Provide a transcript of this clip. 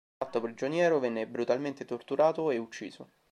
Fatto prigioniero, venne brutalmente torturato e ucciso.